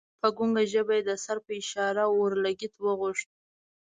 په ګنګه ژبه یې د سر په اشاره اورلګیت وغوښت.